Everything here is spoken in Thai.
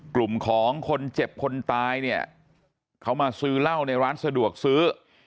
กลุ่มของคนเจ็บคนตายเนี่ยเขามาซื้อเหล้าในร้านสะดวกซื้อ